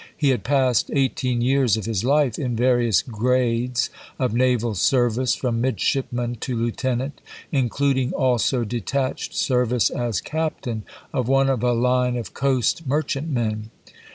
He had passed eighteen years of his life in various grades of naval service from midshipman to lieutenant, including also detached service as cap tain of one of a line of coast merchantmen.